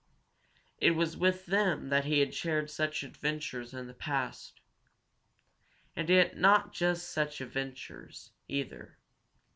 It was with them that he had shared such adventures in the past. And yet not just such adventures, either.